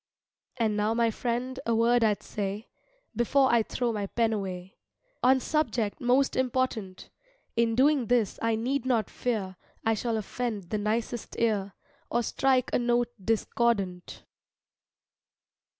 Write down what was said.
And now my friend a word I'd say Before I throw my pen away, On subject most important; In doing this I need not fear I shall offend the nicest ear, Or strike a note discordant.